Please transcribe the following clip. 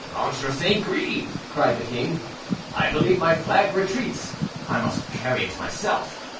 "Ventre St. Gris!" cried the king, "I believe my flag retreats; I must carry it myself."